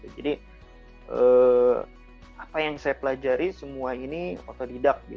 jadi apa yang saya pelajari semua ini otodidak